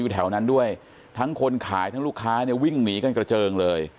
แถวนั้นด้วยทั้งคนขายทั้งลูกค้าเนี่ยวิ่งหนีกันกระเจิงเลย